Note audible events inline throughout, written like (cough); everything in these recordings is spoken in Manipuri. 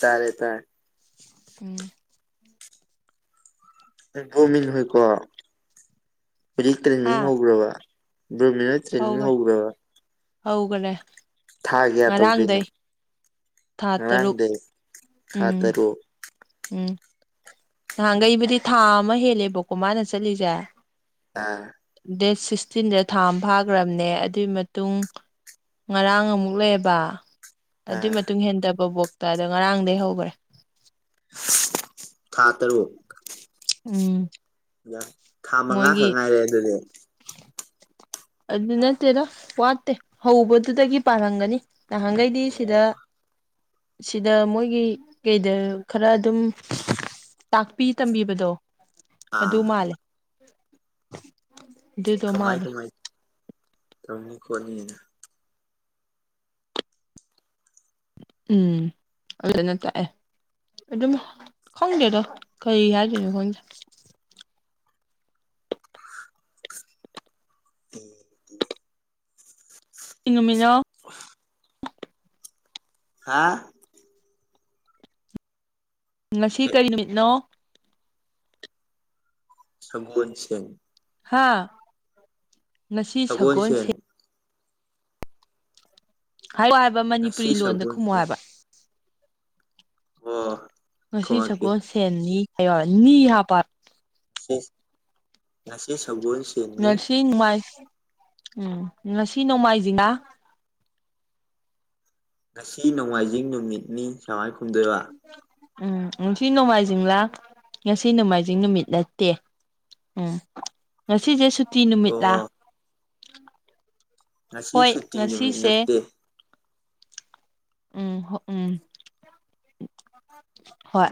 ꯇꯥꯔꯦ ꯇꯥꯔꯦ ꯎꯝ ꯕ꯭ꯔꯣꯃꯤꯟ ꯍꯣꯏꯀꯣ ꯍꯧꯖꯤꯛ ꯇ꯭ꯔꯦꯟꯅꯤꯡ ꯍꯥ ꯍꯧꯒ꯭ꯔꯕ ꯕ꯭ꯔꯣꯃꯤꯟ ꯍꯣꯏ ꯇ꯭ꯔꯦꯅꯤꯡ ꯍꯧꯒ ꯍꯧꯈ꯭ꯔꯕ ꯍꯧꯒꯔꯦ ꯊꯥ ꯀꯌꯥ ꯇꯧꯗꯣꯏꯅꯣ ꯉꯔꯥꯡꯗꯩ ꯊꯥ ꯇꯔꯨꯛ ꯉꯔꯥꯡꯗꯩ ꯊꯥ ꯎꯝ ꯇꯔꯨꯛ ꯎꯝ ꯅꯍꯥꯟꯒꯩꯕꯨꯗꯤ ꯊꯥ ꯑꯃ ꯍꯦꯜꯂꯦꯕꯀꯣ ꯃꯥꯅ ꯆꯠꯂꯤꯁꯦ ꯑꯥ ꯗꯦꯠ ꯁꯤꯛꯁꯇꯤꯟꯗ ꯊꯥ ꯑꯃ ꯐꯥꯈ꯭ꯔꯕꯅꯦ ꯑꯗꯨꯏ ꯃꯇꯨꯡ ꯉꯔꯥꯡ ꯑꯃꯨꯛ ꯂꯩꯌꯦꯕ ꯑꯥ ꯑꯗꯨꯏ ꯃꯇꯨꯡ ꯍꯦꯟꯗꯕ ꯕꯣꯛꯇ ꯑꯗꯣ ꯉꯔꯥꯡꯗꯩ ꯍꯧꯈ꯭ꯔꯦ ꯊꯥ ꯇꯔꯨꯛ ꯎꯝ ꯊꯥ ꯃꯣꯏꯒꯤ ꯃꯉꯥꯈꯛ ꯉꯥꯏꯔꯦ ꯑꯗꯨꯗꯤ ꯑꯗꯨ ꯅꯠꯇꯦꯗ ꯋꯥꯠꯇꯦ ꯍꯧꯕꯗꯨꯗꯒꯤ ꯄꯥꯜꯔꯝꯒꯅꯤ ꯅꯍꯥꯟꯒꯩꯗꯤ ꯑꯣ ꯁꯤꯗ ꯁꯤꯗ ꯃꯣꯏꯒꯤ ꯀꯩꯗ ꯈꯔ ꯑꯗꯨꯝ ꯇꯥꯛꯄꯤ ꯇꯝꯕꯤꯕꯗꯣ ꯑꯗꯨ ꯑꯥ ꯃꯥꯜꯂꯦ ꯑꯗꯨꯗꯣ ꯀꯃꯥꯏ ꯃꯥꯜꯂꯦ ꯀꯃꯥꯏ ꯇꯧꯔꯝꯅꯤ ꯈꯣꯠꯅꯤꯅ ꯎꯝ ꯑꯗꯨꯗꯨꯅ ꯇꯥꯛꯑꯦ ꯑꯗꯨꯝ ꯈꯪꯗꯦꯗ ꯀꯩ ꯍꯥꯏꯗꯣꯏꯅꯣ ꯈꯪꯗꯦ (unintelligible) ꯀꯩ ꯅꯨꯃꯤꯠꯅꯣ ꯍꯥꯥ ꯉꯁꯤ ꯀꯔꯤ ꯅꯨꯃꯤꯠꯅꯣ ꯁꯒꯣꯟꯁꯦꯟ ꯍꯥꯥ ꯉꯁꯤ ꯁꯒꯣꯜꯁꯦꯟ ꯍꯥꯏꯔꯣꯍꯥꯏꯕ ꯉꯁꯤ ꯃꯅꯤꯄꯨꯔꯤ ꯂꯣꯟꯗ ꯈꯨꯝꯃꯣ ꯁꯒꯣꯜꯁꯦꯟ ꯍꯥꯏꯕ ꯑꯣ ꯉꯁꯤ ꯈꯨꯝꯃꯛꯀꯦ ꯁꯒꯣꯜꯁꯦꯟꯅꯤ ꯍꯥꯏꯌꯣ ꯍꯥꯏꯕ ꯅꯤ ꯍꯥꯞꯄꯣ ꯍꯥꯏꯕ ꯉꯁꯤ ꯁꯒꯣꯜꯁꯦꯟꯅꯤ ꯁꯤ ꯅꯣꯡꯃꯥꯏ ꯎꯝ ꯉꯁꯤ ꯅꯣꯡꯃꯥꯏꯖꯤꯡ ꯔꯥ ꯉꯁꯤ ꯅꯣꯡꯃꯥꯏꯖꯤꯡ ꯅꯨꯃꯤꯠꯅꯤ ꯁꯃꯥꯏ ꯈꯨꯝꯗꯣꯏꯕ ꯎꯝ ꯉꯁꯤ ꯅꯣꯡꯃꯥꯏꯖꯤꯡꯂꯥ ꯉꯁꯤ ꯅꯣꯡꯃꯥꯏꯖꯤꯡ ꯅꯨꯃꯤꯠ ꯅꯠꯇꯦ ꯎꯝ ꯉꯁꯤꯖꯦ ꯁꯨꯇꯤ ꯅꯨꯃꯤꯠꯂꯥ ꯑꯣ ꯉꯁꯤ ꯍꯣꯏ ꯁꯨꯇꯤ ꯅꯨꯃꯤꯠ ꯉꯁꯤꯁꯦ ꯅꯠꯇꯦ ꯎꯝ ꯍꯣ ꯎꯝ ꯍꯣꯏ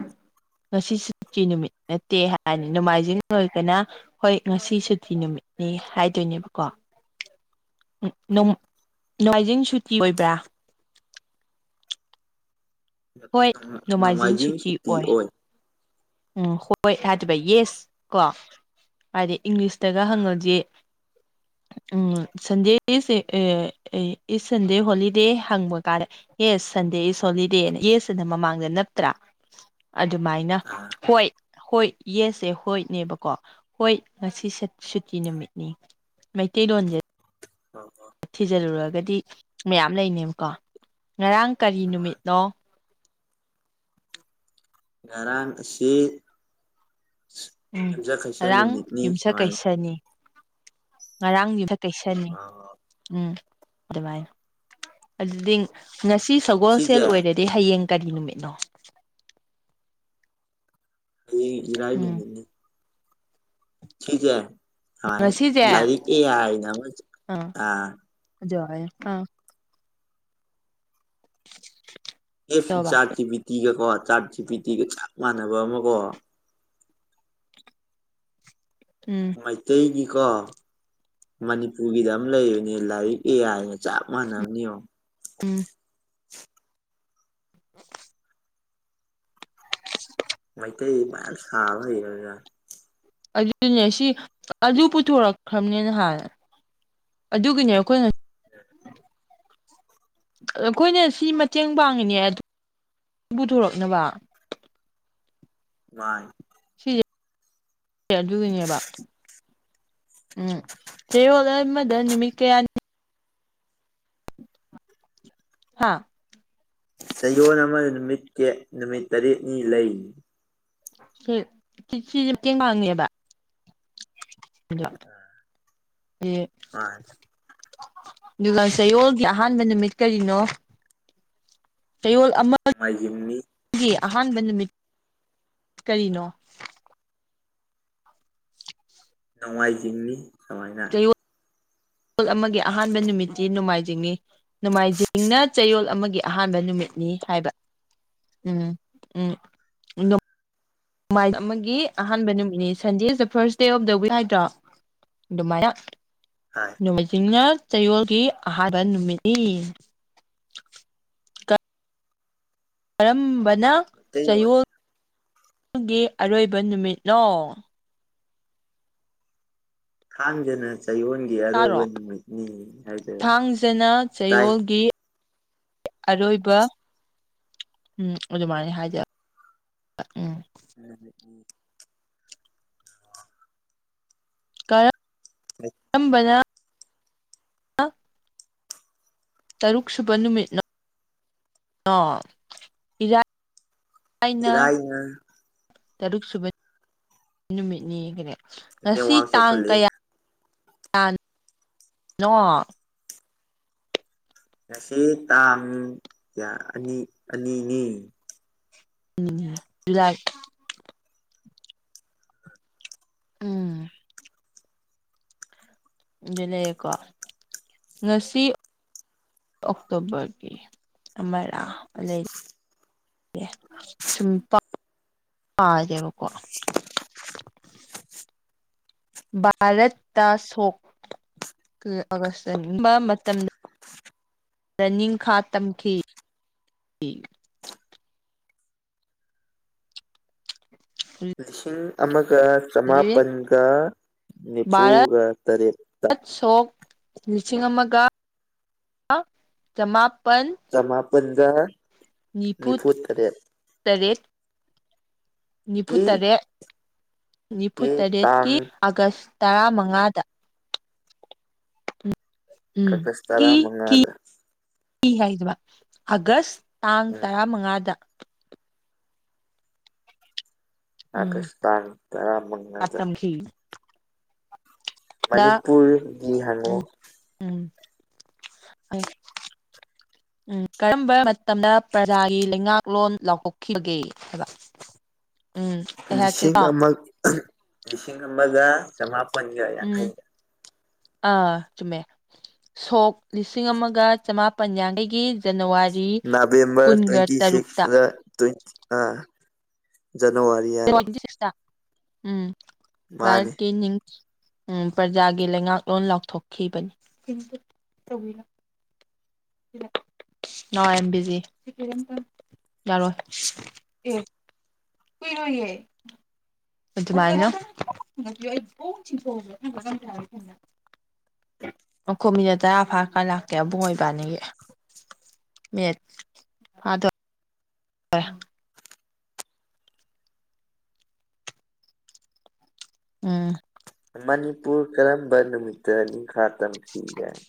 ꯉꯁꯤ ꯁꯨꯇꯤ ꯅꯨꯃꯤꯠ ꯅꯠꯇꯦ ꯍꯥꯏꯅꯤ ꯅꯣꯡꯃꯥꯏꯖꯤꯡ ꯑꯣꯏꯔꯒꯅ ꯍꯣꯏ ꯉꯁꯤ ꯁꯨꯇꯤ ꯅꯨꯃꯤꯠꯅꯤ ꯍꯥꯏꯗꯣꯏꯅꯦꯕꯀꯣ ꯅꯣꯝ ꯅꯣꯡꯃꯥꯏꯖꯤꯡ ꯁꯨꯇꯤ ꯑꯣꯏꯕ꯭ꯔꯥ ꯍꯣꯏ ꯅꯣꯡꯃꯥꯏꯖꯤꯡ ꯁꯨꯇꯤ ꯑꯣꯏ ꯎꯝ ꯍꯣꯏ ꯍꯥꯏꯗꯣꯏꯕ ꯌꯦꯁ ꯀꯣ ꯍꯥꯏꯗꯤ ꯏꯪꯂꯤꯁꯇꯒ ꯑꯥ ꯍꯪꯉꯗꯤ (inaudible) ꯎꯝ ꯁꯟꯗꯦ ꯏꯁ ꯑꯦ ꯑꯦ ꯏꯁ ꯁꯟꯗꯦ ꯍꯣꯂꯤꯗꯦ ꯍꯪꯕ ꯇꯥꯔꯦ ꯌꯦꯁ ꯁꯟꯗꯦ ꯏꯁ ꯍꯣꯂꯤꯗꯦꯅ ꯌꯦꯁ ꯁꯤꯅ ꯃꯃꯥꯡꯗ ꯅꯞꯇ꯭ꯔꯥ ꯑꯗꯨꯃꯥꯏꯅ ꯑꯥ ꯍꯣꯏ ꯍꯣꯏ ꯌꯦꯁꯁꯦ ꯍꯣꯏꯅꯦꯕꯀꯣ ꯍꯣꯏ ꯉꯁꯤ ꯁꯠ ꯁꯨꯇꯤ ꯅꯨꯃꯤꯠꯅꯤ ꯃꯩꯇꯩ ꯂꯣꯟꯖꯦ (unintelligible) ꯊꯤꯖꯜꯂꯨꯔꯒꯗꯤ ꯃꯌꯥꯝ ꯂꯩꯅꯦꯕꯀꯣ ꯉꯔꯥꯡ ꯀꯔꯤ ꯅꯨꯡꯉꯥꯏ ꯅꯨꯃꯤꯠꯅꯣ ꯉꯔꯥꯡ ꯑꯁꯤ ꯎꯝ ꯌꯨꯝꯖꯥ ꯀꯩꯁꯥ ꯉꯔꯥꯡ ꯅꯨꯃꯤꯠꯅꯤ ꯌꯨꯝꯁ ꯁꯨꯃꯥꯏꯅ ꯀꯩꯁꯅꯤ ꯉꯔꯥꯡ ꯌꯨꯊ ꯀꯩꯁꯅꯤ ꯑꯥ ꯎꯝ ꯑꯗꯨꯃꯥꯏꯅ ꯑꯗꯨꯗꯤ ꯉꯁꯤ ꯁꯤꯁꯦ ꯁꯒꯣꯜꯁꯦꯜ ꯑꯣꯏꯔꯦ ꯑꯗꯩ ꯍꯌꯦꯡ ꯀꯔꯤ ꯅꯨꯃꯤꯠꯅꯣ ꯍꯌꯦꯡ ꯏꯔꯥꯏ ꯎꯝ ꯅꯨꯃꯤꯠꯅꯤ ꯁꯤꯖꯦ ꯁꯃꯥꯏꯅ ꯉꯁꯤꯁꯦ ꯂꯥꯏꯔꯤꯛ ꯑꯦ ꯑꯥꯏꯅ ꯑꯃꯖꯨ ꯑꯥ ꯑꯗꯨꯃꯥꯏꯅ ꯑꯥ ꯑꯦꯁ ꯏꯟ ꯇꯧꯕ ꯆꯥꯔꯠ ꯖꯤ ꯕꯤ ꯇꯤꯒ ꯀꯣ ꯆꯥꯔꯠ ꯖꯤ ꯄꯤ ꯇꯤꯒ ꯆꯞ ꯃꯥꯟꯅꯕ ꯑꯃꯀꯣ ꯎꯝ ꯃꯩꯇꯩꯒꯤꯀꯣ ꯃꯅꯤꯄꯨꯔꯒꯤꯗ ꯑꯃ ꯂꯩꯕꯅꯦ ꯂꯥꯏꯔꯤꯛ ꯑꯦ ꯑꯥꯏꯅ ꯆꯞ ꯃꯥꯟꯅꯕꯅꯤ ꯌꯦꯡꯉꯣ ꯎꯝ (unintelligible) ꯃꯩꯇꯩꯖꯤ ꯃꯌꯥꯝ ꯁꯥꯕ ꯍꯩꯔꯗ꯭ꯔꯥ ꯑꯗꯨꯅꯦ ꯁꯤ ꯑꯗꯨ ꯄꯨꯊꯣꯔꯛꯈ꯭ꯔꯕꯅꯦ ꯅꯍꯥꯟ ꯑꯗꯨꯒꯤꯅꯦ ꯑꯩꯈꯣꯏꯅ ꯑꯈꯣꯏꯅ ꯁꯤ ꯃꯇꯦꯡ ꯄꯥꯡꯉꯤꯅꯦ ꯑꯗꯨ ꯄꯨꯊꯣꯔꯛꯅꯕ ꯃꯥꯅꯤ ꯁꯤꯁꯦ ꯑꯗꯨꯒꯤꯅꯦꯕ ꯎꯝ ꯆꯌꯣꯜ ꯑꯃꯗ ꯅꯨꯃꯤꯠ ꯀꯌꯥꯅꯤ ꯍꯥꯥ ꯆꯌꯣꯜ ꯑꯃ ꯅꯨꯃꯤꯠ ꯀꯦ ꯅꯨꯃꯤꯠ ꯇꯔꯦꯠꯅꯤ ꯂꯩ ꯁꯤ ꯁꯤ ꯁꯤꯁꯦ ꯃꯇꯦꯡ ꯄꯥꯡꯉꯦꯕ ꯑꯗꯣ ꯁꯤ ꯃꯥꯅꯤ ꯑꯗꯨꯒ ꯆꯌꯣꯜꯒꯤ ꯑꯍꯥꯟꯕ ꯅꯨꯃꯤꯠ ꯀꯔꯤꯅꯣ ꯆꯌꯣꯜ ꯑꯃ ꯃꯥꯏꯖꯤꯡꯅꯤ ꯒꯤ ꯑꯍꯥꯟꯕ ꯅꯨꯃꯤꯠ ꯀꯩꯅꯣ ꯅꯣꯡꯃꯥꯏꯖꯤꯡꯅꯤ ꯁꯨꯃꯥꯏꯅ ꯌꯣꯜ ꯑꯃꯒꯤ ꯑꯍꯥꯟꯕ ꯅꯨꯃꯤꯠꯇꯤ ꯅꯣꯡꯃꯥꯏꯖꯤꯡꯅꯤ ꯅꯣꯡꯃꯥꯏꯖꯤꯡꯅ ꯆꯌꯣꯜ ꯑꯃꯒꯤ ꯑꯍꯥꯟꯕ ꯅꯨꯃꯤꯠꯅꯤ ꯍꯥꯏꯕ ꯎꯝ ꯎꯝ ꯅꯣꯡꯃꯥꯏ ꯑꯃꯒꯤ ꯑꯍꯥꯟꯕ ꯅꯨꯃꯤꯠꯅꯤ Sunday is the first day of the week ꯍꯥꯏꯗ꯭ꯔꯣ ꯑꯗꯨꯃꯥꯏꯅ ꯍꯥ ꯅꯣꯡꯃꯩꯖꯤꯡꯅ ꯆꯌꯣꯜꯒꯤ ꯑꯍꯥꯟꯕ ꯅꯨꯃꯤꯠꯅꯤ ꯀꯔꯝꯕꯅ ꯃꯩꯇꯩꯂꯣꯟꯁꯦ ꯆꯌꯣꯜꯒꯤ ꯑꯔꯣꯏꯕ ꯅꯨꯃꯤꯠꯅꯣ ꯊꯥꯡꯖꯅ ꯆꯌꯣꯜꯒꯤ ꯑꯔꯣꯏꯕ ꯇꯥꯔꯣ ꯅꯨꯃꯤꯠꯅꯤ ꯍꯥꯏꯗꯣꯏꯕ ꯊꯥꯡꯖꯅ ꯇꯥꯏ ꯆꯌꯣꯜꯒꯤ ꯑꯔꯣꯏꯕ ꯎꯝ ꯑꯗꯨꯃꯥꯏꯅ ꯍꯥꯏꯗꯣꯏꯕ ꯎꯝ (unintelligible) ꯀꯔꯝ ꯀꯝꯕꯅ ꯇꯔꯨꯛ ꯁꯨꯕ ꯅꯨꯃꯤꯠꯅꯣ ꯏꯔꯥꯏ ꯑꯩꯅ ꯏꯔꯥꯏꯅ ꯇꯔꯨꯛ ꯁꯨꯕ ꯅꯨꯃꯤꯠꯅꯤ ꯉꯁꯤ ꯅꯦꯠꯋꯥꯛ ꯇꯥꯡ ꯆꯥꯎꯈꯠꯂꯛꯑꯦ ꯀꯌꯥ (unintelligible) ꯅꯣ ꯉꯁꯤ ꯇꯥꯡ ꯀꯌꯥ ꯑꯅꯤ ꯑꯅꯤꯅꯤ ꯎꯅꯤꯡꯉꯤꯍꯦ ꯏꯔꯥꯏ ꯎꯝ ꯑꯗꯨ ꯂꯩꯌꯦꯀꯣ ꯉꯁꯤ ꯑꯣꯛꯇꯣꯕꯔꯒꯤ ꯑꯃꯔ ꯑꯅꯤ ꯁꯨꯝꯄꯥꯛ ꯄꯥꯗꯦꯕꯀꯣ ꯚꯥꯔꯠꯇ ꯁꯣꯛ ꯑꯥꯒꯁꯠꯇ ꯔꯝꯕ ꯃꯇꯝꯗ ꯔ ꯅꯤꯡ ꯈꯥ ꯇꯝꯈꯤ (unintelligible) ꯂꯤꯁꯤꯡ ꯑꯃꯒ ꯆꯃꯥꯄꯟꯒ ꯚꯥꯔꯠ ꯅꯤꯐꯨꯒ ꯇꯔꯦꯠ ꯁꯣꯛ ꯂꯤꯁꯤꯡ ꯑꯃꯒ ꯆꯃꯥꯄꯟ ꯆꯃꯥꯄꯟꯒ ꯅꯤꯐꯨ ꯇꯔꯦꯠ ꯅꯤꯐꯨꯇꯔꯦꯠ ꯀꯤ ꯇꯥꯡ ꯅꯤꯐꯨꯇꯔꯦꯠꯀꯤ ꯑꯥꯒꯁ ꯇꯔꯥꯃꯉꯥꯗ ꯎꯝ ꯀꯒꯁ ꯀꯤ ꯇꯔꯥ ꯀꯤ ꯃꯉꯥꯗ ꯀꯤ ꯍꯥꯏꯒꯗꯕ ꯑꯥꯒꯁ ꯇꯥꯡ ꯎꯝ ꯇꯔꯥꯃꯉꯥꯗ ꯎꯝ ꯑꯥꯒꯁ ꯇꯥꯡ ꯇꯔꯥꯃꯉꯥꯗ ꯇꯝꯈꯤ ꯗ ꯃꯅꯤꯄꯨꯔꯒꯤ ꯍꯪꯉꯛꯑꯣ ꯎꯝ ꯎꯝ ꯎꯝ ꯀꯔꯝꯕ ꯃꯇꯝꯗ ꯄ꯭ꯔꯖꯥꯒꯤ ꯂꯩꯉꯥꯛꯂꯣꯟ ꯂꯥꯎꯊꯣꯛꯈꯤꯕꯒꯦ ꯑꯗ ꯂꯤꯁꯤꯡ ꯑꯃ ꯂꯤꯁꯤꯡ ꯑꯃꯒ ꯆꯃꯥꯄꯟꯒ ꯎꯝ ꯌꯥꯡꯈꯩꯗ ꯑꯥ ꯆꯨꯝꯃꯦ ꯁꯣꯛ ꯂꯤꯁꯤꯡ ꯑꯃꯒ ꯆꯃꯥꯄꯟ ꯌꯥꯡꯈꯩꯒꯤ ꯖꯅꯋꯥꯔꯤ ꯅꯕꯦꯝꯕꯔ ꯀꯨꯟꯒ ꯇ꯭ꯋꯦꯟꯇꯤ ꯇꯔꯨꯛꯇ ꯁꯤꯛꯁꯇ ꯇ꯭ꯋꯦꯟ ꯑꯥ ꯖꯅꯋꯥꯔꯤ ꯍꯥꯏꯕ (unintelligible) ꯎꯝ ꯃꯥꯅꯤ ꯚꯔꯠꯀꯤ ꯅꯤꯡ ꯎꯝ ꯄ꯭ꯔꯖꯥꯒꯤ ꯂꯩꯉꯥꯛꯂꯣꯟ ꯂꯥꯎꯊꯣꯛꯈꯤꯕꯅꯤ ꯅꯥꯎ ꯑꯥꯌꯦꯝꯕꯤꯖꯤ ꯌꯥꯔꯣ ꯑꯦ ꯀꯨꯏꯔꯣꯏꯌꯦ ꯑꯗꯨꯃꯥꯏꯅ (unintelligible) ꯑꯈꯣ ꯃꯤꯅꯤꯠ ꯇꯔꯥ ꯐꯥꯔꯀꯥꯟ ꯂꯥꯛꯀꯦ ꯑꯕꯨꯡꯉꯣ ꯏꯕꯥꯅꯤꯒꯤ ꯅꯦꯠ ꯐꯥꯗ__ (unintelligible) ꯎꯝ ꯃꯅꯤꯄꯨꯔ ꯀꯔꯝꯕ ꯅꯨꯃꯤꯠꯇ ꯅꯤꯡꯈꯥ ꯇꯝꯈꯤ ꯒꯥꯏꯅ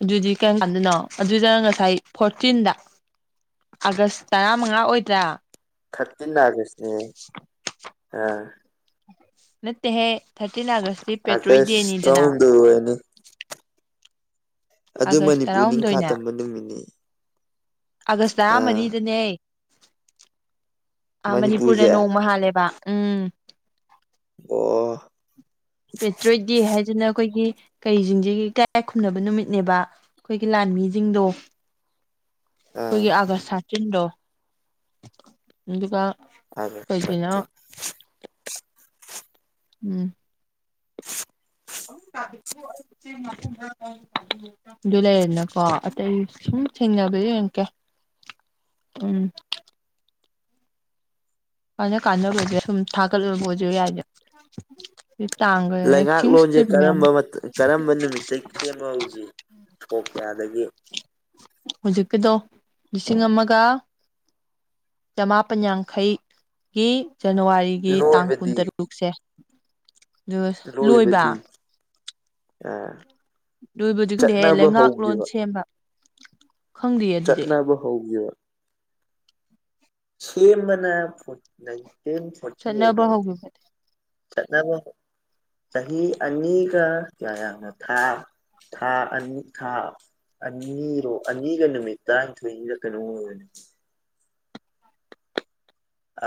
ꯑꯗꯨꯗꯤ ꯀꯔꯝ ꯀꯥꯟꯗꯅꯣ ꯑꯗꯨꯗ ꯉꯁꯥꯏ ꯐꯣꯔꯇꯤꯟꯗ ꯑꯥꯒꯁ ꯇꯔꯥꯃꯉꯥ ꯑꯣꯏꯗ꯭ꯔꯥ ꯊꯥꯔꯇꯤꯟ ꯑꯥꯒꯁꯅꯤ ꯑꯥ ꯅꯠꯇꯦꯍꯦ ꯊꯥꯔꯇꯤꯟ ꯑꯥꯒꯁꯇꯤ ꯄꯦꯇ꯭ꯔꯣꯏꯠ ꯑꯥꯒꯁ ꯗꯦꯅꯤꯗꯅ ꯇꯔꯥꯍꯨꯝꯗꯣꯏ ꯑꯣꯏꯔꯅꯤ ꯑꯗꯨ ꯑꯥꯒꯁ ꯃꯅꯤꯄꯨꯔ ꯅꯤꯡꯈꯥ ꯇꯔꯥꯍꯨꯝꯗꯣꯏꯅ ꯇꯝꯕ ꯅꯨꯃꯤꯠꯅꯦ ꯑꯥꯒꯁ ꯇꯔꯥꯃꯔꯤꯗꯅꯦ ꯑꯥ ꯃꯅꯤꯄꯨꯔꯅ ꯃꯅꯤꯄꯨꯔꯁꯦ ꯅꯣꯡꯃ ꯍꯥꯜꯂꯦꯕ ꯎꯝ ꯑꯣ ꯄꯦꯇ꯭ꯔꯣꯏꯠ ꯗꯦ ꯍꯥꯏꯖꯤꯅ ꯑꯩꯈꯣꯏꯒꯤ ꯀꯩꯖꯤꯡꯁꯤꯒꯤ ꯏꯀꯥꯏ ꯈꯨꯝꯅꯕ ꯅꯨꯃꯤꯠꯅꯦꯕ ꯑꯩꯈꯣꯏꯒꯤ ꯂꯥꯟꯃꯤꯖꯤꯡꯗꯣ ꯑꯥ ꯑꯩꯈꯣꯏꯒꯤ ꯑꯥꯒꯁ ꯊꯥꯔꯇꯤꯟꯗꯣ ꯑꯗꯨꯒ ꯑꯥꯒꯁ ꯀꯩꯒꯤꯅꯣ ꯊꯥꯔꯇꯤꯟ ꯎꯝ (unintelligible) ꯑꯗꯨ ꯂꯩꯔꯦꯗꯅꯀꯣ ꯑꯇꯩ ꯁꯨꯝ ꯊꯦꯡꯅꯕ ꯌꯦꯡꯉꯛꯀꯦ ꯎꯝ ꯀꯥꯟꯅ ꯀꯥꯟꯅꯕꯖꯦ ꯁꯨꯝ ꯊꯥꯒꯠꯂꯕ ꯑꯣꯏꯁꯨ ꯌꯥꯏꯗꯅ (unintelligible) ꯇꯥꯡ ꯂꯩꯉꯥꯛꯂꯣꯟꯁꯦ ꯀꯔꯝꯕ ꯃꯇꯝ ꯀꯔꯝꯕ ꯅꯨꯃꯤꯠꯇꯩ__ ꯁꯦꯝꯕ ꯍꯧꯒꯤ ꯁꯣꯛꯀ ꯀꯌꯥꯗꯒꯤ ꯍꯧꯖꯤꯛꯀꯤꯗꯣ ꯂꯤꯁꯤꯡ ꯑꯃꯒ ꯆꯃꯥꯄꯟ ꯌꯥꯡꯈꯩ ꯒꯤ ꯖꯅꯋꯥꯔꯤ ꯒꯤ ꯇꯥꯡ ꯂꯣꯏꯕꯗꯤ ꯀꯨꯟꯇꯔꯨꯛꯁꯦ ꯗꯨ ꯂꯣꯏꯕ ꯑ ꯂꯣꯏꯕꯗꯤ ꯈꯪꯗꯦꯍꯦ ꯂꯩꯉꯥꯛꯂꯣꯟ ꯁꯦꯝꯕ ꯈꯪꯗꯦꯌꯦ ꯑꯗꯨꯗꯤ ꯆꯠꯅꯕ ꯍꯧꯒꯤꯕ ꯁꯦꯝꯕꯅ ꯐꯣꯔꯠ ꯅꯥꯏꯟꯇꯤꯟ ꯐꯣꯔꯇꯤ ꯑꯩꯠ ꯆꯠꯅꯕ ꯍꯥꯏꯕ ꯍꯧꯈꯤꯕꯗꯤ ꯆꯠꯅꯕ ꯆꯍꯤ ꯑꯅꯤꯒ ꯀꯌꯥ ꯌꯥꯝꯅ ꯊꯥ ꯊꯥ ꯑꯅꯤ ꯊꯥ ꯑꯅꯤꯔꯣ ꯑꯅꯤꯒ ꯅꯨꯃꯤꯠ ꯇꯔꯥꯅꯤꯊꯣꯏꯅꯤꯔ ꯀꯩꯅꯣꯝ ꯑꯣꯏꯕꯅꯦ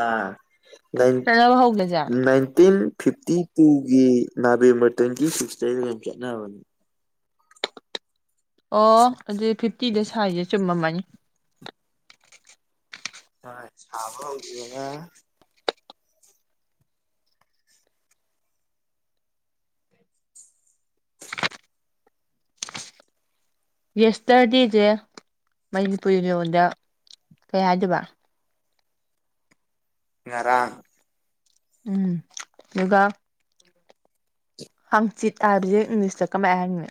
ꯑꯥ ꯅꯥꯏꯟ ꯆꯠꯅꯕ ꯍꯧꯒꯁꯦ ꯅꯥꯏꯟꯇꯤꯟ ꯐꯤꯞꯇꯤ ꯇꯨꯒꯤ ꯅꯥꯕꯦꯝꯕꯔ ꯇ꯭ꯋꯦꯟꯇꯤ ꯁꯤꯛꯁꯇꯩ ꯌꯥꯝ ꯆꯠꯅꯕꯅꯤ ꯑꯣ ꯑꯗꯨꯗꯤ ꯐꯤꯐꯇꯤꯗ ꯁꯥꯏꯖꯦ ꯆꯨꯝꯃꯝꯃꯅꯤ ꯍꯣꯏ ꯁꯥꯕ ꯍꯧꯒꯤꯕꯅ ꯌꯦꯁꯇꯔꯗꯦꯁꯦ ꯃꯅꯤꯄꯨꯔꯤ ꯂꯣꯟꯗ ꯀꯩ ꯍꯥꯏꯗꯣꯏꯕ ꯉꯔꯥꯡ ꯎꯝ ꯑꯗꯨꯒ ꯍꯡꯆꯤꯠ ꯍꯥꯏꯕꯁꯦ ꯏꯪꯂꯤꯁꯇ ꯀꯃꯥꯏꯅ ꯍꯥꯏꯅꯤ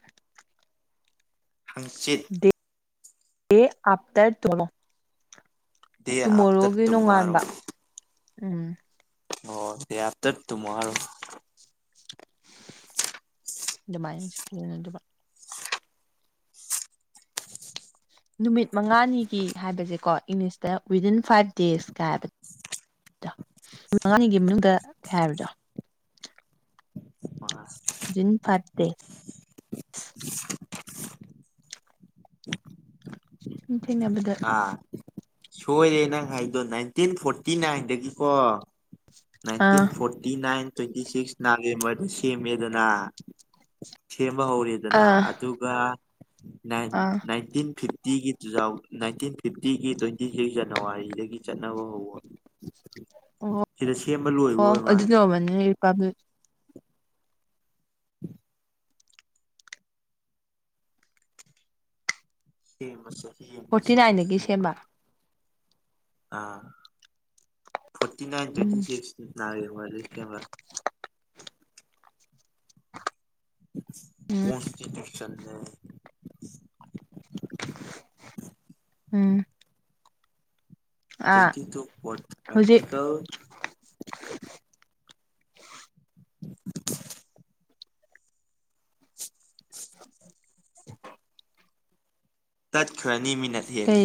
ꯍꯡꯆꯤꯠ (unintelligible) ꯗꯦ ꯑꯥꯞꯇꯔ ꯇꯨꯃꯣ ꯗꯦ ꯑꯥꯐꯇꯔ ꯇꯨꯃꯣꯔꯣꯒꯤ ꯇꯨꯃꯣꯔꯣ ꯅꯣꯡꯉꯥꯟꯕ ꯎꯝ ꯑꯣ ꯗꯦ ꯑꯥꯞꯇꯔ ꯇꯨꯃꯥꯔꯣ ꯑꯗꯨꯃꯥꯏꯅ (unintelligible) ꯅꯨꯃꯤꯠ ꯃꯉꯥꯅꯤꯒꯤ ꯍꯥꯏꯕꯁꯦꯀꯣ ꯏꯪꯂꯤꯁꯇ ꯋꯤꯗꯤꯟ ꯐꯥꯏꯚ ꯗꯦꯁ ꯀꯥꯏꯍꯥꯏꯕꯗꯣ ꯅꯨꯃꯤꯠ ꯃꯉꯥꯅꯤꯒꯤ ꯃꯅꯨꯡꯗ ꯀꯥꯏ ꯍꯥꯏꯕꯗꯣ ꯃꯥꯁ (unintelligible) ꯖꯤꯟ ꯐꯔꯠꯇꯦ (unintelligible) ꯁꯨꯝ ꯊꯦꯡꯅꯕꯗ ꯁꯣꯏꯌ‌ꯦ ꯅꯪ ꯍꯥꯏꯗꯣ ꯅꯥꯏꯟꯇꯤꯟ ꯐꯣꯔꯇꯤ ꯅꯥꯏꯟꯗꯒꯤꯀꯣ ꯅꯥꯏꯟꯇꯤꯟ ꯑꯥ ꯐꯣꯔꯇꯤ ꯅꯥꯏꯟ ꯇ꯭ꯋꯦꯟꯇꯤ ꯁꯤꯛꯁ ꯅꯕꯦꯝꯕꯔꯗ ꯁꯦꯝꯃꯦꯗꯅ ꯁꯦꯝꯕ ꯍꯧꯔꯦꯗꯅ ꯑꯥ ꯑꯗꯨꯒ ꯑꯥ ꯅꯥꯏꯟꯇꯤꯟ ꯅꯥꯏꯠ ꯐꯤꯚ ꯐꯤꯇꯤꯒꯤ ꯇꯨꯊꯥꯎ ꯅꯥꯏꯟꯇꯤꯟ ꯐꯤꯞꯇꯤꯒꯤ ꯇ꯭ꯋꯦꯟꯇꯤ ꯊ꯭ꯔꯤ ꯖꯅꯋꯥꯔꯤꯗꯒꯤ ꯆꯠꯅꯕ ꯍꯧꯕ ꯑꯣ ꯁꯤꯗ ꯁꯦꯝꯕ ꯂꯣꯏꯕ ꯑꯣ ꯑꯣꯏ ꯃꯥꯜꯂꯦ ꯑꯗꯨꯅ (unintelligible) ꯇꯧꯃꯅꯤ꯭ꯛ (unintelligible) ꯍꯦ ꯃꯁꯛ ꯍꯦ ꯐꯣꯔꯇꯤ ꯃꯁꯦꯛ ꯅꯥꯏꯟꯗꯒꯤ ꯁꯦꯝꯕ (unintelligible) ꯑꯥ ꯐꫭꯔꯇꯤ ꯅꯥꯏꯟ ꯇ꯭ꯋꯦꯟꯇꯤ ꯎꯝ ꯁꯤꯛꯁ ꯎ ꯅꯦ (unintelligible) ꯃꯥ ꯀꯦ (unintelligible) ꯎꯝ ꯀꯣꯟꯁꯇꯤꯇ꯭ꯌꯨꯁꯟ ꯎꯝ ꯑꯥ ꯇ꯭ꯋꯦꯟꯇꯤ ꯇꯨ ꯐꯣꯔ ꯍꯧꯖꯤꯛ ꯑꯔꯇꯤꯀꯜ (inaudible) (inaudible) ꯇꯠꯈ꯭ꯔꯅꯤ ꯃꯤꯅꯠ ꯍꯦꯜꯂꯦ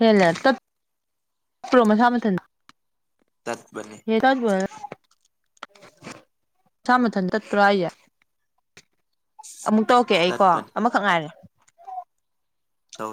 ꯍ‌ꯦꯟꯂ‌ꯦ ꯇꯠꯄ꯭ꯔꫭ ꯃꯁꯥ ꯃꯊꯟ ꯇꯠꯄꯅꯤ ꯍꯦ (unintelligible) ꯇ (unintelligible) ꯁꯥ ꯃꯊꯟ ꯇꯠꯄ꯭ꯔꫭ ꯍꯥꯏꯖ‌ꯦ ꯑꯃꯨꯛ ꯇꯧꯔꯛꯀꯦ ꯑꯩꯀꯣ ꯇꯠꯄꯅꯦ ꯑꯃꯈꯛ ꯉꯥꯏꯔꯦ ꯇꯧ